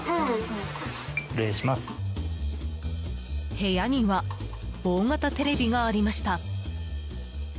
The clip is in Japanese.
部屋には大型テレビがありました。